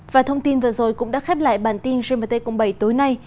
và thông tin vừa rồi cũng đã khép lại bản tin gmt cộng bảy tối nay